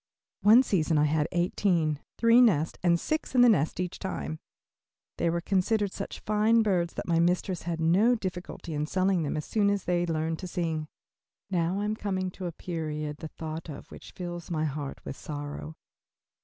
One season I had eighteen, three nests, and six in the nest each time. They were considered such fine birds that my mistress had no difficulty in selling them as soon as they learned to sing. Now I am coming to a period the thought of which fills my heart with sorrow.